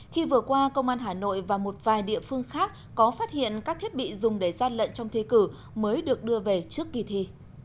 khi vừa qua công an hà nội và một vài địa phương khác có phát hiện các thiết bị dùng để gian lận trong thi cử mới được đưa về trước kỳ thi